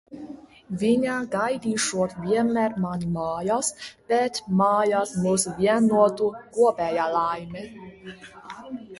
Viņa gaidīšot vienmēr mani mājās, bet mājās mūs vienotu kopējā laime.